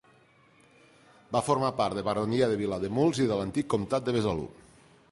Va formar part de baronia de Vilademuls i de l'antic comtat de Besalú.